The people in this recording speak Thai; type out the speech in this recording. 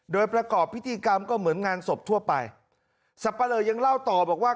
โดยประกอบพิธีกรรมก็เหมือนงานศพทั่วไปสับปะเลอยังเล่าต่อบอกว่า